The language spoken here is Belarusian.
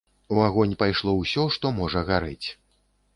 У агонь пайшло ўсё, што можа гарэць.